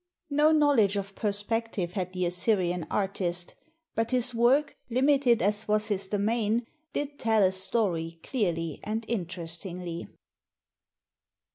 No knowledge' of perspective had the Assyrian artist, but his work, limited as was his domain, did tell a story clearly and interestingly.